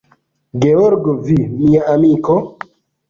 Georgo, vi, mia amiko?